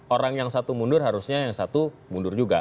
orang yang satu mundur harusnya yang satu mundur juga